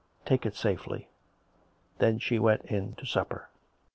Take it safely." Then she went in to supper.